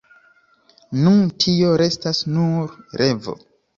Nun tio restas nur revo.